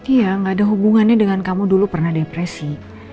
iya gak ada hubungannya dengan kamu dulu pernah depresi